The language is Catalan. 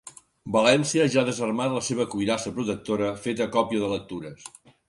València ja ha desarmat la seva cuirassa protectora feta a còpia de lectures.